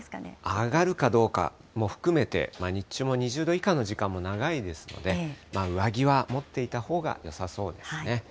上がるかどうかも含めて、日中も２０度以下の時間も長いですので、上着は持っていたほうがよさそうですね。